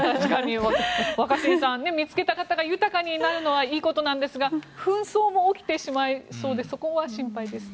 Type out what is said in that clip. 若新さん見つけた方が豊かになるのはいいことなんですが紛争が起きてしまいそうでそこは心配ですね。